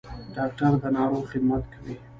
ډاکټر د ناروغ خدمت کوي